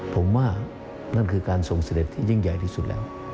ผมว่านั่นคือการส่งเสด็จที่ยิ่งใหญ่ที่สุดแล้ว